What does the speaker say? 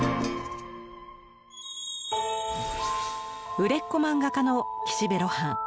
売れっ子漫画家の岸辺露伴。